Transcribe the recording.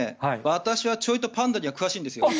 私はちょいとパンダには詳しいんですよ。